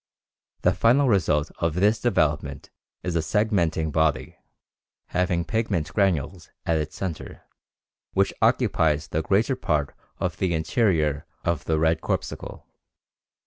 The final result of this development is a segmenting body, having pigment granules at its center, which occupies the greater part of the interior of the red corpuscle.